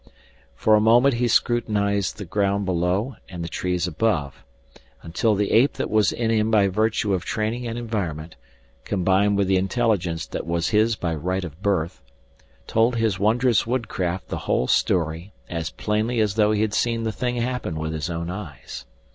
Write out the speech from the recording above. For a moment he scrutinized the ground below and the trees above, until the ape that was in him by virtue of training and environment, combined with the intelligence that was his by right of birth, told his wondrous woodcraft the whole story as plainly as though he had seen the thing happen with his own eyes.